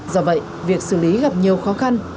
do vậy việc xử lý gặp nhiều khó khăn